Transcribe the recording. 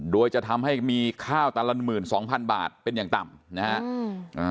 โดยจะทำให้มีค่าตลาด๑๒๐๐๐บาทเป็นอย่างต่ำนะครับ